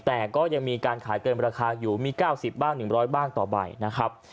แต่ก็ยังมีการขายเกินราคาอยู่มี๙๐บ้าง๑๐๐บ้างต่อใบนะครับ